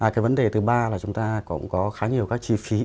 cái vấn đề thứ ba là chúng ta cũng có khá nhiều các chi phí